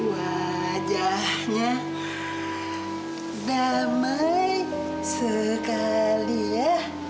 wajahnya damai sekali ya